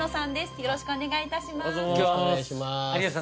よろしくお願いします有吉さん